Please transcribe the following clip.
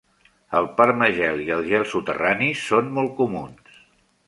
El permagel i el gel soterrani són molt comuns.